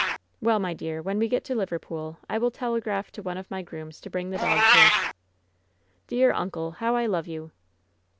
"Well, my dear, when we get to Liverpool, I will tele graph to one of my grooms to bring the dog to us." "Dear uncle! how I love you!"